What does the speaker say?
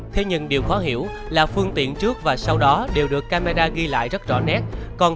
thế nhưng điều khó hiểu là phương tiện trước và sau đó đều được xác định được ghi lại bằng của công ty điện cơ hải phòng